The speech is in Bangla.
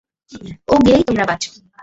ও গেলেই তোমরা বাঁচ ।